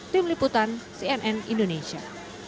tim liputan cnn indonesia